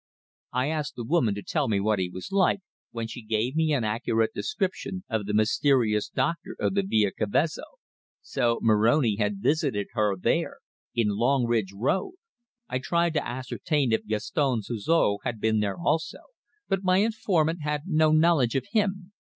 I asked the woman to tell me what he was like, when she gave me an accurate description of the mysterious doctor of the Via Cavezzo! So Moroni had visited her there in Longridge Road! I tried to ascertain if Gaston Suzor had been there also, but my informant had no knowledge of him.